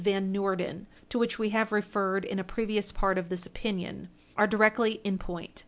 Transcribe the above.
Van Noorden, to which we have referred in a previous part of this opinion, are directly in point.